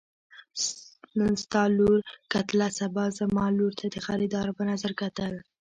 نن ستا لور کتله سبا زما لور ته د خريدار په نظر کتل.